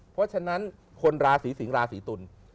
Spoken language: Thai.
เพราะฉะนั้นคนราศีสิงราศีตุล